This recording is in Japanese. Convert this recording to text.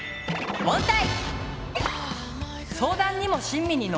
問題！